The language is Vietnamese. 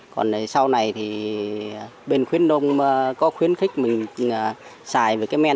còn sau này thì bên khuyến đông có khuyến khích mình xài với cái men